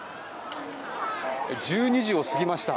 １２時を過ぎました。